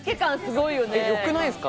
よくないですか？